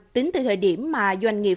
tính từ thời điểm mà doanh nghiệp